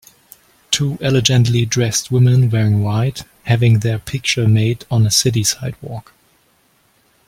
Two elegantly dressed women wearing white having there picture made on a city sidewalk.